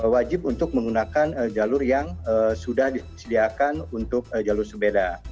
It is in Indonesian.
wajib untuk menggunakan jalur yang sudah disediakan untuk jalur sepeda